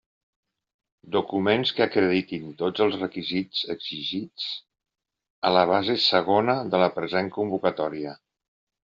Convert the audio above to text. Documents que acreditin tots els requisits exigits a la base segona de la present convocatòria.